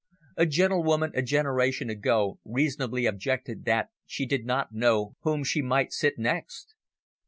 A gentlewoman a generation ago reasonably objected that she did not know whom she might sit next.